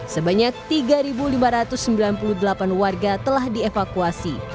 sebanyak tiga lima ratus sembilan puluh delapan warga telah dievakuasi